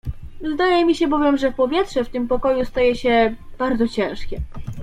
"Zdaje mi się bowiem, że powietrze w tym pokoju staje się bardzo ciężkie."